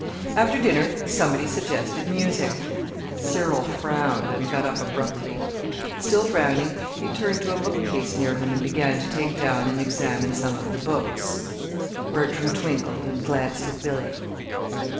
After dinner somebody suggested music. Cyril frowned, and got up abruptly. Still frowning, he turned to a bookcase near him and began to take down and examine some of the books. Bertram twinkled and glanced at Billy.